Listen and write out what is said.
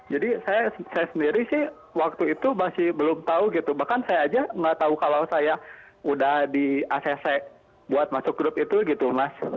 jadi saya sendiri sih waktu itu masih belum tahu gitu bahkan saya aja nggak tahu kalau saya udah di acc buat masuk grup itu gitu mas